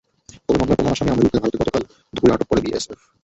তবে মামলার প্রধান আসামি আমিরুলকে ভারতে গতকাল দুপুরে আটক করে বিএসএফ।